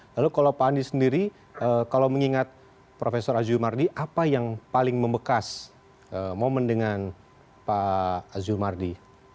lalu kalau pak andi sendiri kalau mengingat prof azumardi apa yang paling membekas momen dengan pak azul mardi